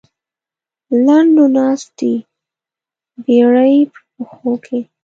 لنډو ناست دی بېړۍ په پښو کې.